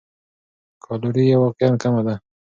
کالوري یې واقعاً کمه ده.